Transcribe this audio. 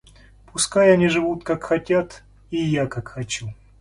Пускай они живут как хотят, и я как хочу.